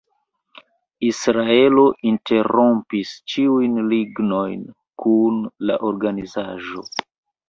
Israelo interrompis ĉiujn ligojn kun la organizaĵo.